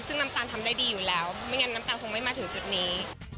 ซึ่งน้ำตาลทำได้ดีอยู่แล้วไม่งั้นน้ำตาลคงไม่มาถึงจุดนี้